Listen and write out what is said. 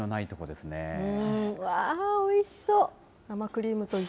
うわー、おいしそう。